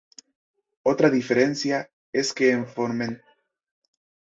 Otra diferencia es que en Formentera la salsa no lleva miel.